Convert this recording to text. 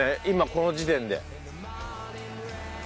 今この時点で。